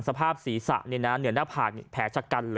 สภาพศรีษะเนื้อหน้าผ่านแผลชะกัน